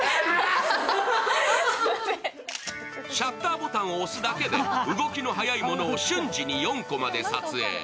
シャッターボタンを押すだけで動きの速いものを瞬時に４コマで撮影。